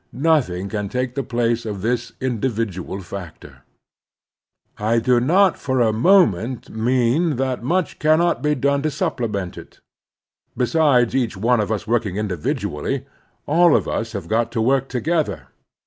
Nothing can take the place of this individual factor. I do not for a moment mean that much cannot be done to supplement it. Besides each one of us working individually, all of us have got to work together.